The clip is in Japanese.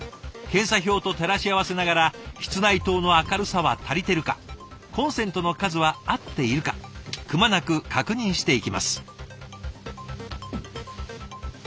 検査表と照らし合わせながら室内灯の明るさは足りてるかコンセントの数は合っているかくまなく確認していきます。